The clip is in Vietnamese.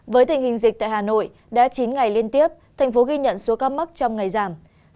với tình hình dịch tại hà nội đã chín ngày liên tiếp thành phố ghi nhận số ca mắc trong ngày giảm